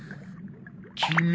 君。